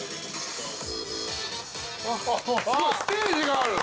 すごいステージがある。